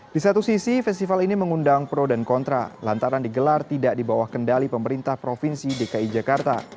di satu sisi festival ini mengundang pro dan kontra lantaran digelar tidak di bawah kendali pemerintah provinsi dki jakarta